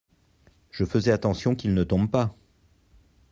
Je faisais attention qu'il ne tombe pas.